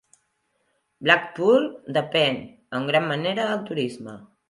Blackpool depèn en gran manera del turisme.